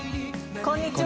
こんにちは。